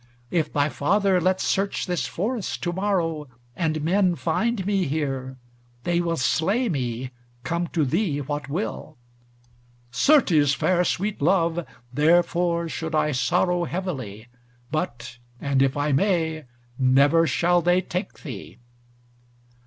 If thy father let search this forest to morrow, and men find me here, they will slay me, come to thee what will." "Certes, fair sweet love, therefore should I sorrow heavily, but, an if I may, never shall they take thee."